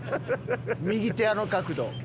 右手あの角度。